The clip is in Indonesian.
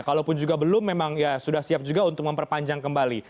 kalaupun juga belum memang ya sudah siap juga untuk memperpanjang kembali